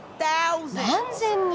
何千人！